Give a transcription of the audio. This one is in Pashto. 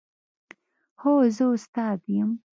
هو، زه استاد یم